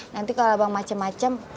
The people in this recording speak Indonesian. nanti kalau abang macem macem